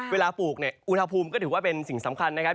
ปลูกเนี่ยอุณหภูมิก็ถือว่าเป็นสิ่งสำคัญนะครับ